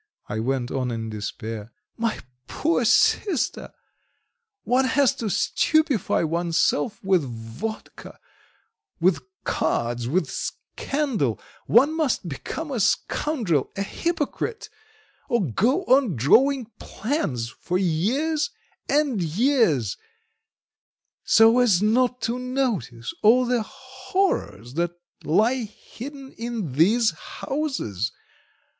I went on in despair. "My poor sister! One has to stupefy oneself with vodka, with cards, with scandal; one must become a scoundrel, a hypocrite, or go on drawing plans for years and years, so as not to notice all the horrors that lie hidden in these houses.